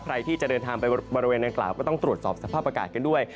ใครที่จะเดินทางไปบริเวณนางกล่าวก็ต้องตรวจสอบสภาพอากาศกันด้วย